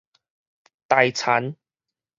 大田